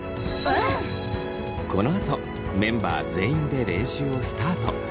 このあとメンバー全員で練習をスタート。